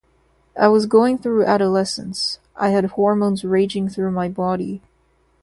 I was going through adolescence; I had hormones raging through my body.